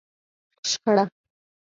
شخړه